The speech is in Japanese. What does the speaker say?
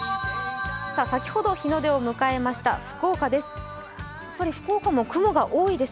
先ほど日の出を迎えました福岡です。